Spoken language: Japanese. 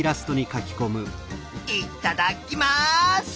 いっただっきます！